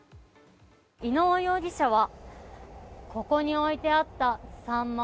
伊能容疑者はここに置いてあったサンマ